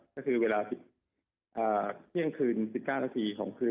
ก็คือเวลาเที่ยงคืน๑๙นาทีของคืน